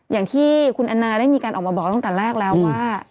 อย่างที่คุณแอนนาได้มีการออกมาบอกตั้งแต่แรกแล้วว่า